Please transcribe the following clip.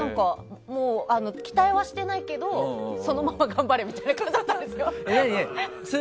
期待はしてないけどそのまま頑張れみたいな感じだったんですよ。